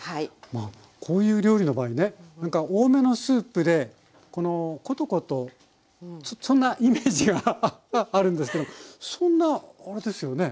まあこういう料理の場合ねなんか多めのスープでコトコトそんなイメージがあるんですけどそんなあれですよね